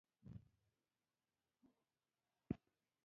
د مظلوم په ملاتړ ننګه او حمایه ورګډه کړې وه.